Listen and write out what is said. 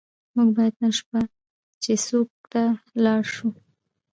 موږ باید نن شپه چیسوک ته لاړ شو.